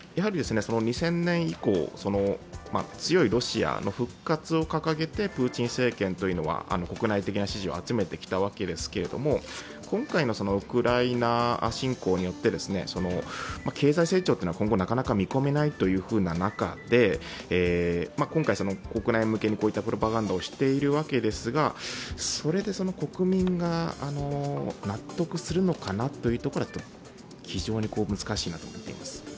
２０００年以降強いロシアの復活を掲げてプーチン政権は国内的な支持を集めてきたわけですけれども、今回のウクライナ侵攻によって経済成長というのは今後、なかなか見込めないというふうな中で今回、国内向けにこういったプロパガンダをしているわけですが、それで国民が納得するのかなというのは非常に難しいなと思っています。